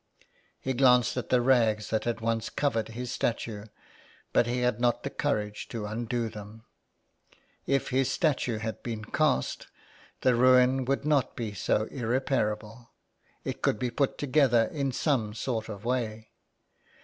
He glanced at the rags that had once covered his statue, but he had not the courage to undo them. 21 IN THE CLAY. If his statue had been cast the ruin would not be so irreparable. It could be put together in some sort of way.